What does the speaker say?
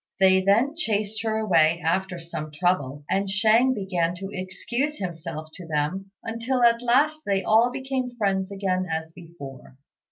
They then chased her away after some trouble, and Shang began to excuse himself to them, until at last they all became friends again as before.